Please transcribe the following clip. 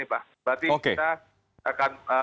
berarti kita akan